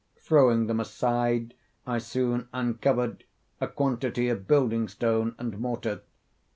Throwing them aside, I soon uncovered a quantity of building stone and mortar.